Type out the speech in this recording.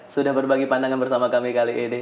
sudah berbagi pandangan bersama kami kali ini